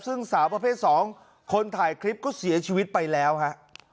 ซึ่งสาวประเภท๒คนถ่ายคลิปก็เสียชีวิตไปแล้วฮะ